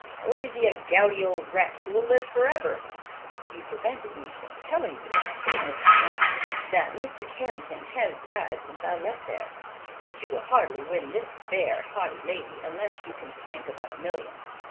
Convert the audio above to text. Or is he a gouty old wretch, who will live forever?" "You prevented me from telling you," said Mr. Ashton, "that Mr. Carrington has died since I left there. But you will hardly win this fair, haughty lady, unless you can plank about a million.